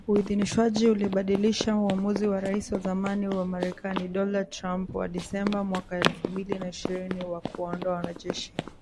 Uidhinishwaji ulibadilisha uamuzi wa Rais wa zamani wa Marekani Donald Trump wa Disemba mwaka elfu mbili na ishirini wa kuwaondoa wanajeshi